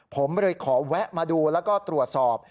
ผมเลยขอแวะมาดูแล้วก็ตรวจสอบ